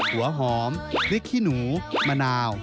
หัวหอมพริกขี้หนูมะนาว